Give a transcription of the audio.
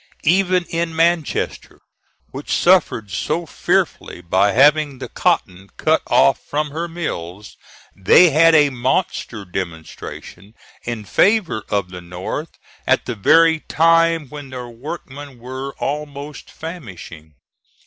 Even in Manchester, which suffered so fearfully by having the cotton cut off from her mills, they had a monster demonstration in favor of the North at the very time when their workmen were almost famishing.